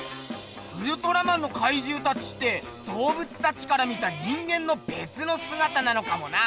ウルトラマンのかいじゅうたちって動物たちから見た人間のべつのすがたなのかもな。